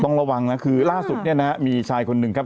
ต้องระวังนะคือล่าสุดเนี่ยนะมีชายคนหนึ่งครับ